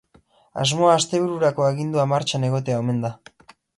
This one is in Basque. Asmoa astebururako agindua martxan egotea omen da.